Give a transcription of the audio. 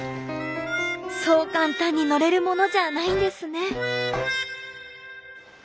そう簡単に乗れるものじゃないんですね。